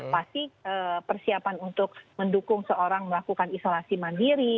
pasti persiapan untuk mendukung seorang melakukan isolasi mandiri